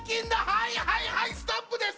はいはいはいストップです！